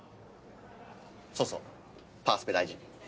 そうそうパースペ大事。